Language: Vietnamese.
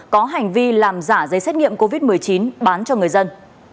có hành vi làm giả giấy xét nghiệm covid một mươi chín bán cho người dân